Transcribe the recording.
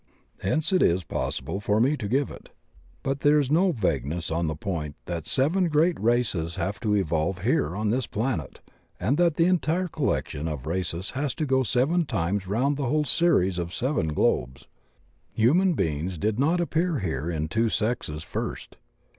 Hence it is impossible for me to give it. But there is no vague ness on the point that seven great races have to evolve here on this planet, and that the entire collection of races has to go seven times round the whole series of seven globes. Human beings did not appear here in two sexes first.